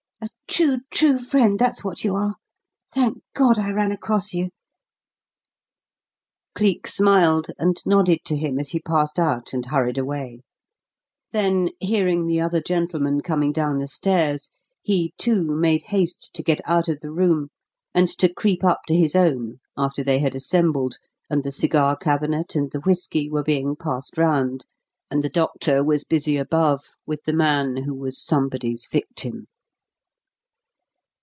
A true, true friend that's what you are. Thank God I ran across you." Cleek smiled and nodded to him as he passed out and hurried away; then, hearing the other gentlemen coming down the stairs, he, too, made haste to get out of the room and to creep up to his own after they had assembled, and the cigar cabinet and the whiskey were being passed round, and the doctor was busy above with the man who was somebody's victim.